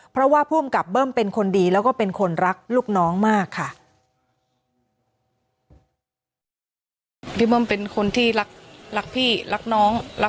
เพราะว่าภูมิกับเบิ้มเป็นคนดีแล้วก็เป็นคนรักลูกน้องมากค่ะ